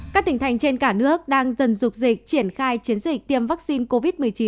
các tỉnh thành trên cả nước đang dần dục dịch triển khai chiến dịch tiêm vaccine covid một mươi chín